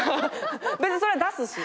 別にそれは出すし。